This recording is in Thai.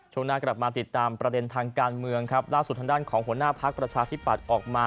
ช่วงหน้ากลับมาติดตามประเด็นทางการเมืองครับล่าสุดทางด้านของหัวหน้าพักประชาธิปัตย์ออกมา